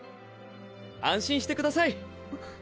安心してください。